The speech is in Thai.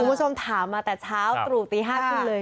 คุณผู้ชมถามมาแต่เช้าตกติเดียว๕พูดเลย